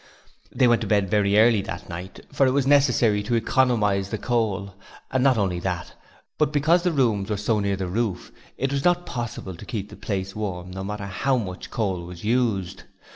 They went to bed very early that night, for it was necessary to economize the coal, and not only that, but because the rooms were so near the roof it was not possible to keep the place warm no matter how much coal was used.